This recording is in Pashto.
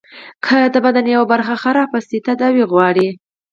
که د بدن يوه برخه خرابه سي تداوي غواړي.